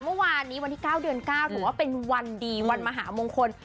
เมื่อวานนี้วันที่๙เดือน๙ถือว่าเป็นวันดีวันมหามงคล